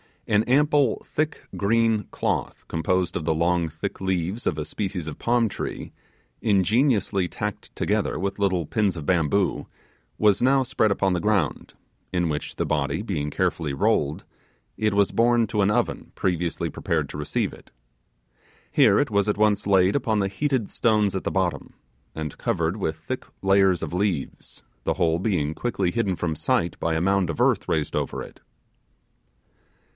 An ample thick green cloth, composed of the long thick leaves of a species of palm tree, ingeniously tacked together with little pins of bamboo, was now spread upon the ground, in which the body being carefully rolled, it was borne to an oven previously prepared to receive it. Here it was at once laid upon the heated stones at the bottom, and covered with thick layers of leaves, the whole being quickly hidden from sight by a mound of earth raised over it.